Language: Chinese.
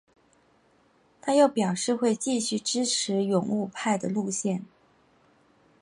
他又表示会继续支持勇武派的路线。